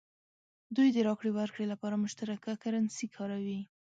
دوی د راکړې ورکړې لپاره مشترکه کرنسي کاروي.